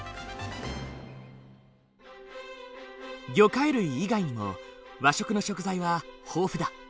魚介類以外にも和食の食材は豊富だ。